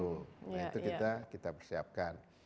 nah itu kita persiapkan